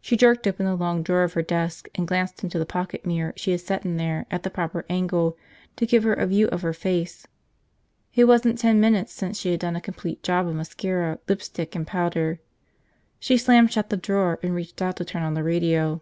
She jerked open the long drawer of her desk and glanced into the pocket mirror she had set in there at the proper angle to give her a view of her face. It wasn't ten minutes since she had done a complete job of mascara, lipstick, and powder. She slammed shut the drawer and reached out to turn on the radio.